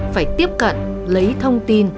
phải tiếp cận lấy thông tin